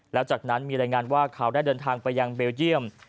แล้วจากนั้นมีรายงานว่าข่าวได้เดินทางไปยังเบลเยี่ยม